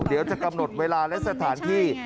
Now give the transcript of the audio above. เดี๋ยวจะกำหนดเวลาและสถานที่